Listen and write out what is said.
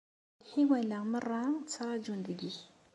Lḥiwan-a merra ttraǧun deg-k.